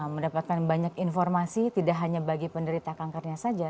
mendapatkan banyak informasi tidak hanya bagi penderita kankernya saja